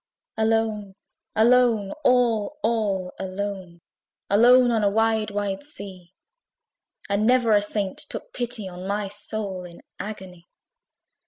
Alone, alone, all, all alone, Alone on a wide wide sea! And never a saint took pity on My soul in agony.